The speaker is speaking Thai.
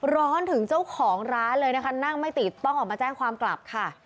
ร้อนถึงเจ้าของร้านเลยนะคะนั่งไม่ติดต้องออกมาแจ้งความกลับค่ะ